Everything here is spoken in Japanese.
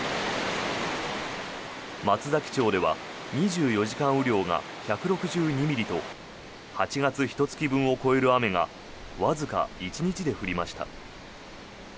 松崎町では２４時間雨量が１６２ミリと８月ひと月分を超える雨がわずか１日で降りました。